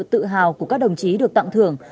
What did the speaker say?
tự hào của các đồng chí được tặng thưởng